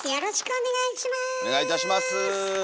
お願いいたします。